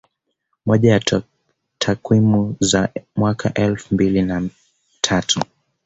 Moja ya takwimu za mwaka elfu mbili na tatu